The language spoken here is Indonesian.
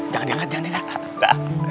jangan diangkat jangan diangkat